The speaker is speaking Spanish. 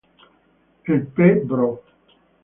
El Pbro.